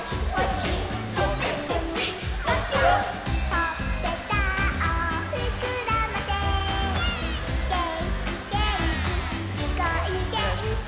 「ほっぺたをふくらませげんきげんき」「すごいっげんき」